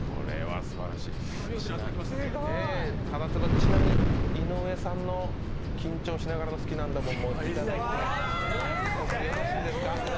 ちなみに井上さんの緊張しながらの「好きなんだもん」もいただいてよろしいですか。